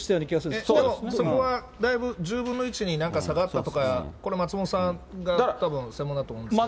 でもそこはだいぶ１０分の１に、下がったとか、これ、松本さんがたぶん、専門だと思うんですけど。